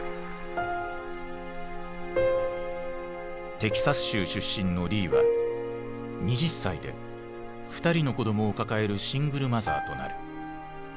テキサス州出身のリーは２０歳で２人の子どもを抱えるシングルマザーとなる。